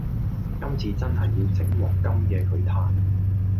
今次真係要整鑊金嘅佢嘆